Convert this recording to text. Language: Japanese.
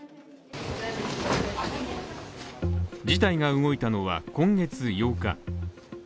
事態が動いたのは今月８日。